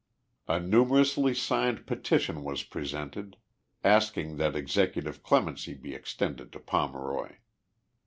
A numerously signed petition was presented, asking that executive clemency be extended to Pomeroy.